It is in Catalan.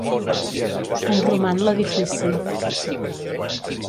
En roman l'edifici.